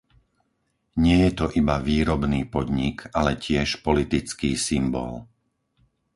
Nie je to iba výrobný podnik, ale tiež politický symbol.